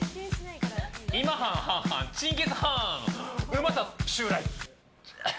うまさ襲来！